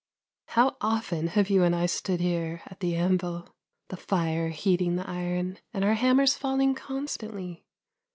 How often have you and I stood here at the anvil, the fire heating the iron, and our hammers falling constantly